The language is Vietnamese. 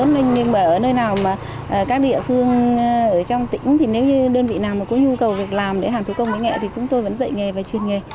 nhưng ở nơi nào các địa phương ở trong tỉnh thì nếu như đơn vị nào có nhu cầu việc làm để hàng thủ công mỹ nghệ thì chúng tôi vẫn dạy nghề và truyền nghề